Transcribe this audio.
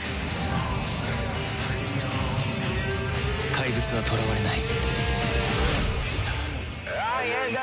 怪物は囚われない